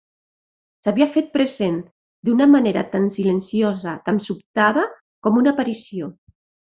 S'havia fet present d'una manera tan silenciosa, tan sobtada, com una aparició.